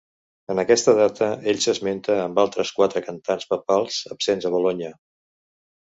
En aquesta data ell s'esmenta amb altres quatre cantants papals absents a Bolonya.